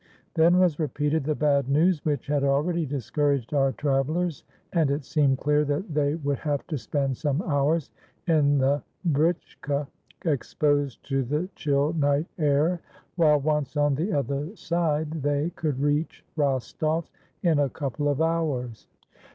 Then was repeated the bad news which had already discouraged our travellers, and it seemed clear that they would have to spend some hours in the britchka, exposed to the chill night air, while, once on the other side, they could reach Rostov in a couple of hours.